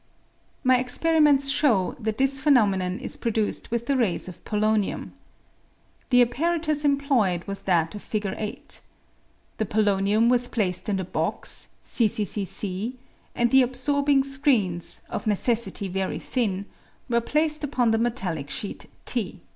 My experiments show that this phenomenon is produced with the rays of polonium. The apparatus employed was that of Fig. 8. The polonium was placed in the box, cccc, and the absorbing screens, of necessity very thin, were placed upon the metallic sheet, t.